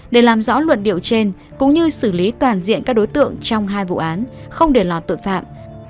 để làm rõ luận điệu trên cũng như xử lý toàn diện các đối tượng trong hai vụ án không để lọt tội phạm